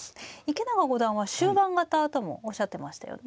池永五段は終盤型ともおっしゃってましたよね。